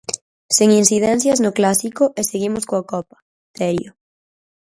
Sen incidencias no clásico e seguimos coa Copa, Terio.